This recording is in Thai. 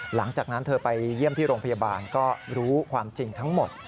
หลังจากนั้นเธอไปเยี่ยมที่โรงพยาบาลก็รู้ความจริงทั้งหมด